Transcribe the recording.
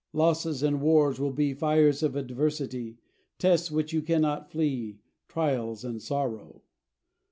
Losses and wars will be Fires of adversity, Tests which you cannot flee Trials and sorrow.